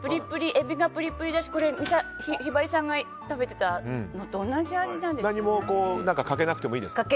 エビがプリプリだしこれ、ひばりさんが食べていたものと何もかけなくてもいいですか？